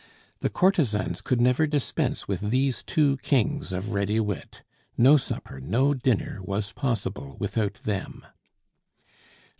The courtesans could never dispense with these two kings of ready wit. No supper, no dinner, was possible without them.